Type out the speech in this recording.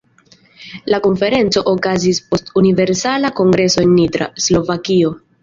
La Konferenco okazis post Universala Kongreso en Nitra, Slovakio.